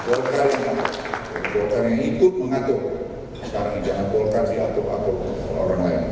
golkar yang ikut mengatur sekarang jangan golkar diatur atur orang lain